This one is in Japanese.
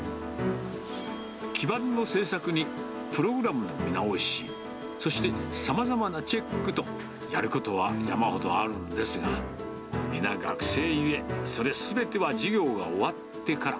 基板の製作にプログラムの見直し、そして、さまざまなチェックと、やることは山ほどあるんですが、皆、学生ゆえ、それすべては授業が終わってから。